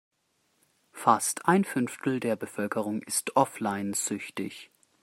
Fast ein Fünftel der Bevölkerung ist offline-süchtig.